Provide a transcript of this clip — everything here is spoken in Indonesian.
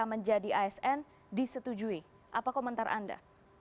menjadi asn disetujui apa komentar anda